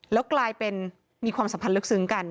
แล้วกลายเป็นมีความสัมพันธ์ลึกซึ้งกัน